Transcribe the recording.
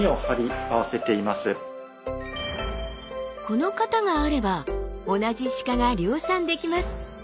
この型があれば同じ鹿が量産できます。